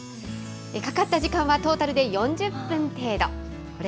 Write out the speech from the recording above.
かかった時間はトータルで４０分程度。